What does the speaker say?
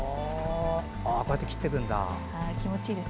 こうやって切っていくんだ。